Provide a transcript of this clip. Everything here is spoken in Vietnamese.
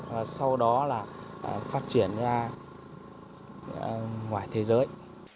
và sau đó là phát triển ra ngoài thế giới